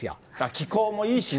気候もいいしね。